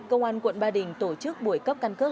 công an quận ba đình tổ chức buổi cấp căn cước